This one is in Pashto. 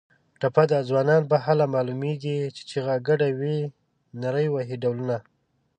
ټپه ده: ځوانان به هله معلومېږي چې چیغه ګډه وي نري وهي ډولونه